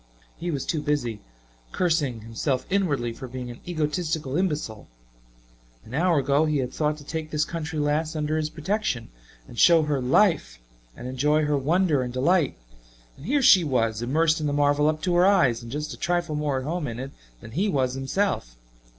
He was too busy cursing himself inwardly for being an egotistical imbecile. An hour ago he had thought to take this country lass under his protection and show her "life" and enjoy her wonder and delight and here she was, immersed in the marvel up to her eyes, and just a trifle more at home in it than he was himself.